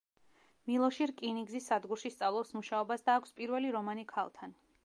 მილოში რკინიგზის სადგურში სწავლობს მუშაობას და აქვს პირველი რომანი ქალთან.